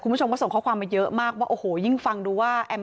คุณผู้ชมก็ส่งข้อความมาเยอะมากว่าโอ้โหยิ่งฟังดูว่าแอม